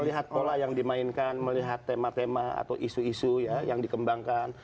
melihat pola yang dimainkan melihat tema tema atau isu isu yang dikembangkan